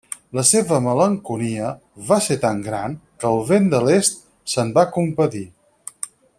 La seva malenconia va ser tan gran que el vent de l'est se'n va compadir.